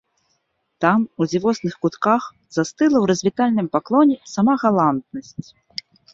Там у дзівосных кутках застыла ў развітальным паклоне сама галантнасць.